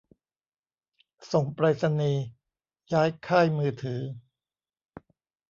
ส่งไปรษณีย์ ย้ายค่ายมือถือ